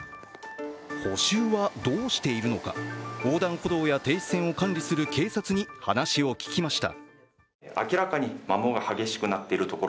補修はどうしているのか、横断歩道や停止線を管理する警察に話を聞きました。